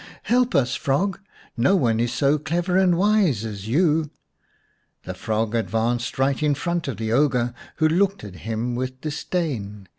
Help us, frog ! No one is so clever and wise as you !" The frog advanced right in front of the ogre, who looked at him with disdain.